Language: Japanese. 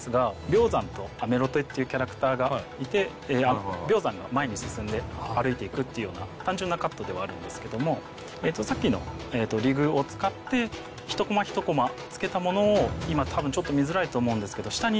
ビョウザンとアメロテっていうキャラクターがいてビョウザンが前に進んで歩いていくっていうような単純なカットではあるんですけどもさっきのリグを使って１コマ１コマつけたものを今たぶんちょっと見づらいと思うんですけど下にね